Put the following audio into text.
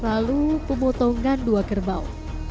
lalu pemotongan dua kerbau